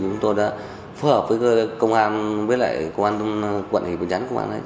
chúng tôi đã phù hợp với công an với lại quận hồ chí minh quận thủ đức công an